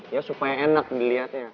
ya supaya enak diliatnya